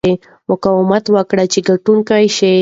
مقاومت وکړه چې ګټونکی شې.